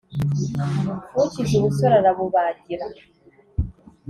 Ukize ubusore arabubagira